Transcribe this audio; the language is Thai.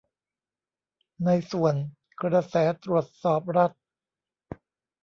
ในส่วน 'กระแสตรวจสอบรัฐ'